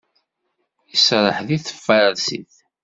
Iserreḥ deg tfarsit.